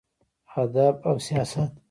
ادب او سياست: